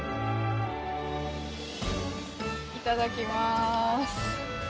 いただきます。